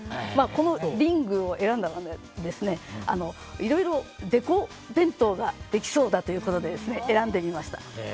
このリングを選んだのはいろいろデコ弁当ができそうだということで選んでみました。